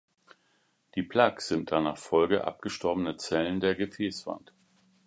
Die Plaques sind danach Folge abgestorbener Zellen der Gefäßwand.